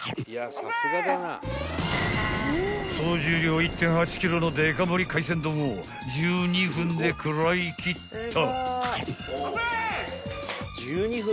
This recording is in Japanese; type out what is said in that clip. ［総重量１．８ｋｇのデカ盛り海鮮丼を１２分で食らいきった］ＯＫ！